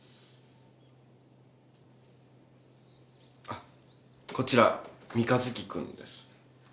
あっこちら三日月君です。